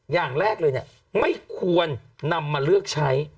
อย่างแรกเลยเนี่ยไม่ควรนำมาเลือกใช้